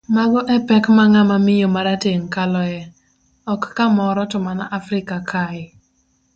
Mago epek ma ng'ama miyo marateng kaloe, ok kamoro to mana Afrika kae.